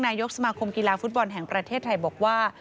นายกสมาคมกีฬาฟุตบอลแห่งประเทศไทยบอกว่า